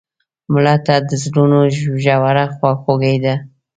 مړه ته د زړونو ژوره خواخوږي ده